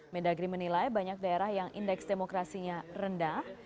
mendagri menilai banyak daerah yang indeks demokrasinya rendah